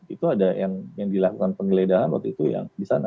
itu ada yang dilakukan penggeledahan waktu itu yang di sana